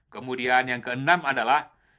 kemudian yang keenam adalah